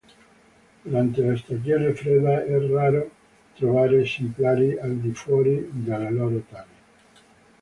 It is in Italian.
Durante la stagione fredda è raro trovare esemplari al di fuori delle loro tane.